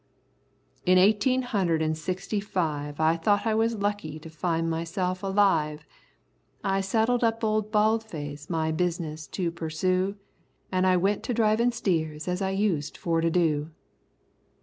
"In eighteen hundred an' sixty five I thought I was quite lucky to find myself alive. I saddled up old Bald Face my business to pursue, An' I went to drivin' steers as I used for to do."